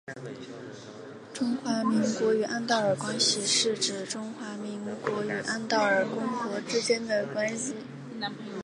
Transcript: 中华民国与安道尔关系是指中华民国与安道尔公国之间的关系。